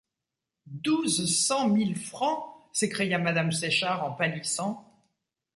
Douze cent mille francs! s’écria madame Séchard en pâlissant.